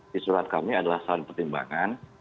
disurat kami adalah soal pertimbangan